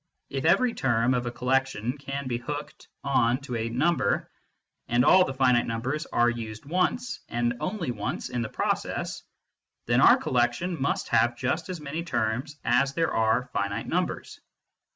If every term of a collection can be hooked on to a number, and all the finite numbers are used once, and only once, in the process, then our collection must have just as many terms as there are finite numbers.